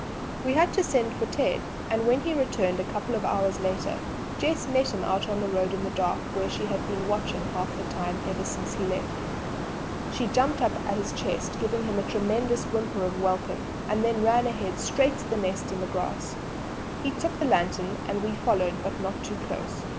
We had to send for Ted, and when he returned a couple of hours later Jess met him out on the road in the dark where she had been watching half the time ever since he left. She jumped up at his chest giving a long tremulous whimper of welcome, and then ran ahead straight to the nest in the grass. He took a lantern and we followed, but not too close.